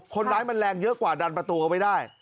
คนร้ายมันแรงเยอะกว่าดันประตูเอาไว้ได้